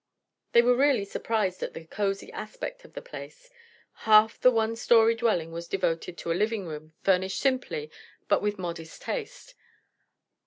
They were really surprised at the cosy aspect of the place. Half the one story dwelling was devoted to a living room, furnished simply but with modest taste.